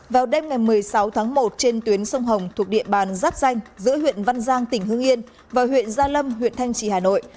vào đêm ngày một mươi sáu tháng một trên tuyến sông hồng thuộc địa bàn giáp danh giữa huyện văn giang tỉnh hương yên và huyện gia lâm huyện thanh trì hà nội